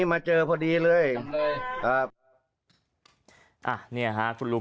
ไม่ใช่งูมาทำกับรู